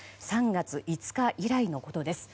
３月５日以来のことです。